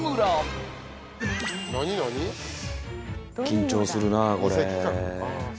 緊張するなこれ。